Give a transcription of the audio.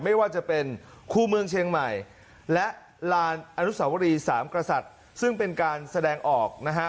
ไม่ว่าจะเป็นคู่เมืองเชียงใหม่และลานอนุสาวรีสามกษัตริย์ซึ่งเป็นการแสดงออกนะฮะ